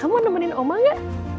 kamu nemenin oma gak